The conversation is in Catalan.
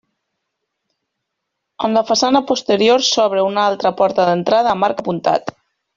En la façana posterior s'obre una altra porta d'entrada amb arc apuntat.